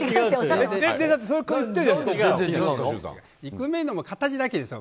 イクメンでも形だけですよ。